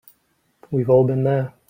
We've all been there.